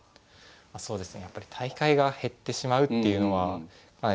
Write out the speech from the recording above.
そうですね。